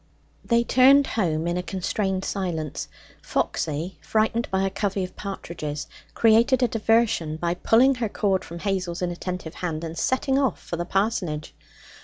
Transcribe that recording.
They turned home in a constrained silence. Foxy, frightened by a covey of partridges, created a diversion by pulling her cord from Hazel's inattentive hand and setting off for the parsonage.